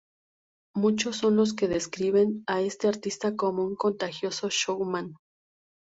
Muchos son los que describen a este artista como un contagioso showman.